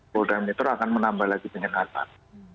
pola dan metro akan menambah lagi penyekatan